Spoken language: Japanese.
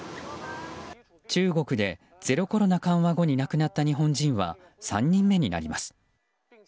中国でゼロコロナ緩和後に亡くなった日本人は３人目になります。